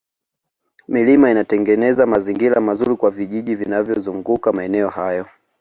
milima inatengeneza mazingira mazuri kwa vijiji vinavyozunguka maeneo hayo